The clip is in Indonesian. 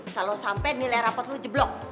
kalau sampai nilai rapot lo jeblok